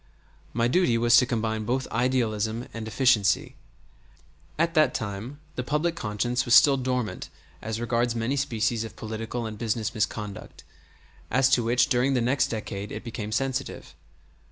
My duty was to combine both idealism and efficiency. At that time the public conscience was still dormant as regards many species of political and business misconduct, as to which during the next decade it became sensitive.